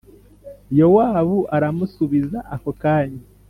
Yowabu aramusubiza akokanya